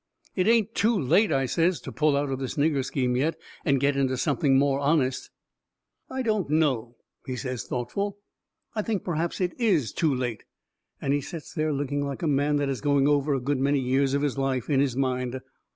"It ain't too late," I says, "to pull out of this nigger scheme yet and get into something more honest." "I don't know," he says thoughtful. "I think perhaps it IS too late." And he sets there looking like a man that is going over a good many years of life in his mind.